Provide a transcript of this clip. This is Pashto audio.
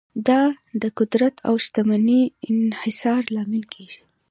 دا د قدرت او شتمنۍ د انحصار لامل کیږي.